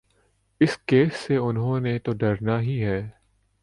اس case سے انہوں نے تو ڈرنا ہی ہے۔